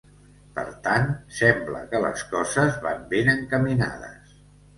Per tant, sembla que les coses van ben encaminades.